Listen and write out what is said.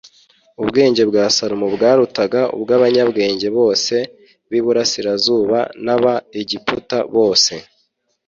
ubwenge bwa salomo bwarutaga ubw’abanyabwenge bose b’iburasirazuba n’aba egiputa bose.